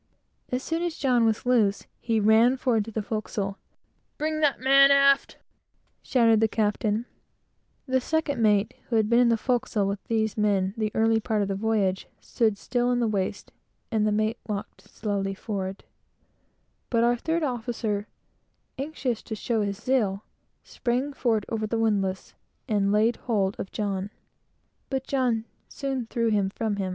As soon as he was loose, he ran forward to the forecastle. "Bring that man aft," shouted the captain. The second mate, who had been a shipmate of John's, stood still in the waist, and the mate walked slowly forward; but our third officer, anxious to show his zeal, sprang forward over the windlass, and laid hold of John; but he soon threw him from him.